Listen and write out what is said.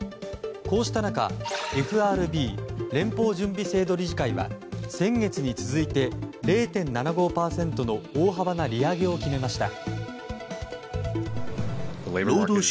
こうした中ＦＲＢ・連邦準備制度理事会は先月に続いて０．７５％の大幅な利上げを決めました。